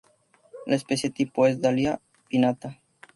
La especie tipo es "Dahlia pinnata"